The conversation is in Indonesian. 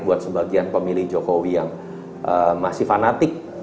buat sebagian pemilih jokowi yang masih fanatik